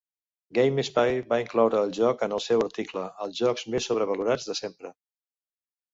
GameSpy va incloure el joc en el seu article "Els jocs més sobrevalorats de sempre".